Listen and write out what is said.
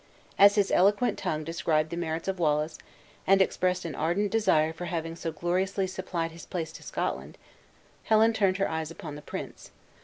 As his eloquent tongue described the merits of Wallace, and expressed an ardent gratitude for his having so gloriously supplied his place to Scotland, Helen turned her eyes upon the prince.